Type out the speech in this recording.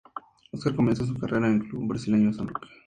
Oscar comenzó su carrera en el club brasileño San Roque.